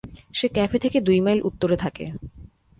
সে cafe থেকে দুই mile উত্তরে থাকে।